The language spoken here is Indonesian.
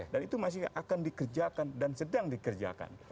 dan itu masih akan dikerjakan dan sedang dikerjakan